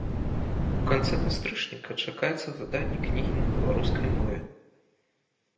У канцы кастрычніка чакаецца выданне кнігі на беларускай мове.